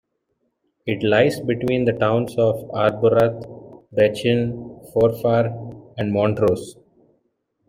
It lies between the towns of Arbroath, Brechin, Forfar and Montrose.